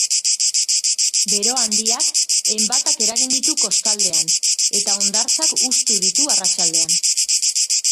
Bero handiak enbatak eragin ditu kostaldean, eta hondartzak hustu ditu arratsaldean.